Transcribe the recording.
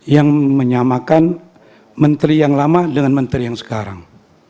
yang menyamakan menteri yang lama dengan menteri yang sekarang